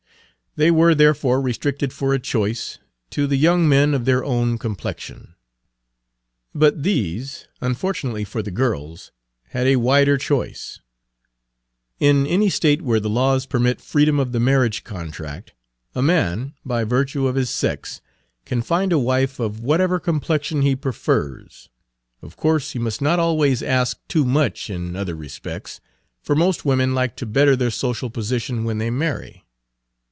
They were therefore restricted for a choice to the young men of their own complexion. But these, unfortunately for the girls, had a wider choice. In any State where the laws permit freedom of the marriage contract, a man, by virtue of his sex, can find a wife of whatever complexion he prefers; of course he must not always ask too much in other respects, for most women like to better their social position when they marry.